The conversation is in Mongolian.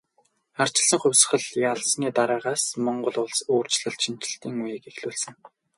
Ардчилсан хувьсгал ялсны дараагаас Монгол улс өөрчлөлт шинэчлэлтийн үеийг эхлүүлсэн.